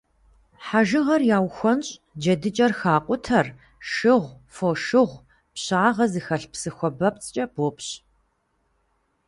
Хьэжыгъэр яухуэнщӏ, джэдыкӏэр хакъутэр шыгъу, фошыгъу, пщагъэ зыхэлъ псы хуабэпцӏкӏэ бопщ.